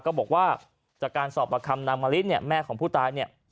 ก็บอกว่าจากการสอบประคำนางมะลิเนี่ยแม่ของผู้ตายเนี่ย